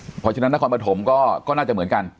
เพราะฉะนั้นนักความประถมก็น่าจะเหมือนกัน